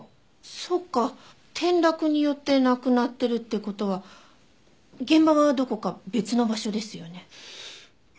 そっか転落によって亡くなってるって事は現場はどこか別の場所ですよね。